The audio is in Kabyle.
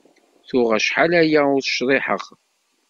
Tuɣ acḥal-aya ur cḍiḥeɣ.